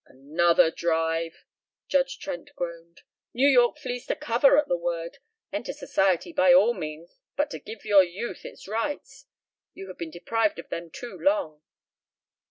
"Another drive!" Judge Trent groaned. "New York flees to cover at the word. Enter Society by all means, but to give your youth its rights. You have been deprived of them too long."